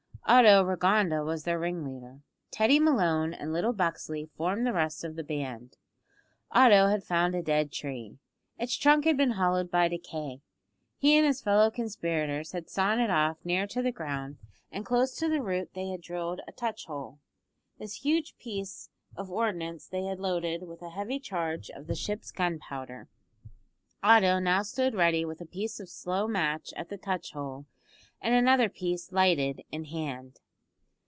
Otto Rigonda was their ringleader, Teddy Malone and little Buxley formed the rest of the band. Otto had found a dead tree. Its trunk had been hollowed by decay. He and his fellow conspirators had sawn it off near to the ground, and close to the root they had drilled a touch hole. This huge piece of ordnance they had loaded with a heavy charge of the ship's gunpowder. Otto now stood ready with a piece of slow match at the touch hole, and another piece, lighted, in hand.